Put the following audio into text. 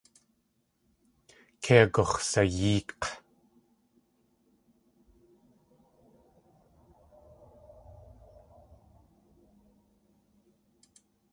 Kei agux̲sayéek̲.